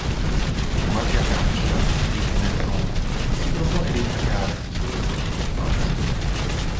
Il guardiacaccia Steve Benton si propone di indagare sulla loro scomparsa.